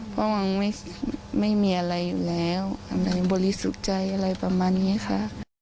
เพราะว่าไม่มีอะไรอยู่แล้วบริสุจัยอะไรประมาณนี้ค่ะ